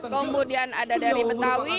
kemudian ada dari betawi